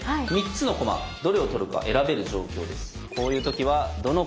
３つの駒どれを取るか選べる状況です。